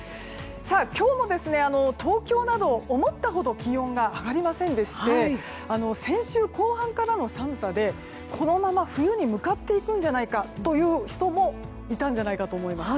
今日も東京など思ったほど気温が上がりませんでして先週後半からの寒さでこのまま冬に向かっていくんじゃないかという人もいたんじゃないかと思います。